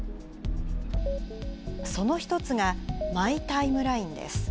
その一つが、マイタイムラインです。